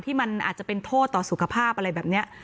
ที่มันอาจจะเป็นโทษต่อสุขภาพอะไรแบบนี้